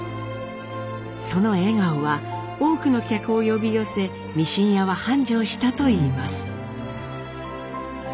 その笑顔は多くの客を呼び寄せミシン屋は繁盛したといいます。